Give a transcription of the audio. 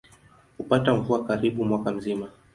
Hupata mvua karibu mwaka mzima.